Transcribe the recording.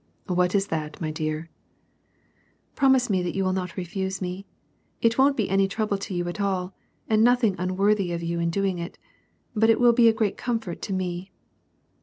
" What is that, my dear ?" "Promise me that you will not refuse me. It won't be any trouble to you at all, and nothing unworthy of you in doing it; but it will be a great comfort to me.